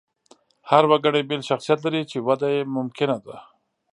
هر وګړی بېل شخصیت لري، چې وده یې ممکنه ده.